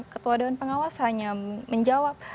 ketua dewan pengawas hanya menjawab